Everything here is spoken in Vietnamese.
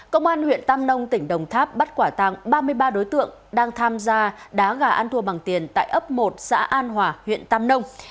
công an huyện tam nông tỉnh đồng tháp bắt quả tàng ba mươi ba đối tượng đang tham gia đá gà ăn thua bằng tiền tại ấp một xã an hòa huyện tam nông